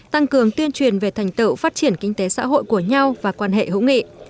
tăng cường tuyên truyền về thành tựu phát triển kinh tế xã hội của nhau và quan hệ hữu nghị